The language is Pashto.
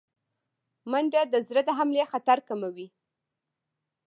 منډه د زړه د حملې خطر کموي